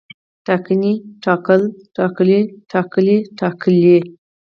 ټاکنې، ټاکل، ټاکلی، ټاکلي، ټاکلې